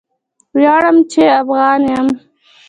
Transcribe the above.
ویاړم چې افغان یم!